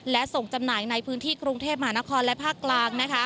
และส่งจำหน่ายในพื้นที่กรุงเทพมหานครและภาคกลาง